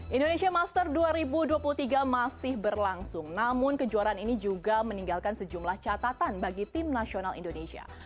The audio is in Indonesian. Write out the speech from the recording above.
indonesia master dua ribu dua puluh tiga masih berlangsung namun kejuaraan ini juga meninggalkan sejumlah catatan bagi tim nasional indonesia